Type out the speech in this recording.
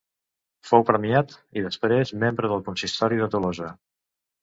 Fou premiat, i després membre del Consistori de Tolosa.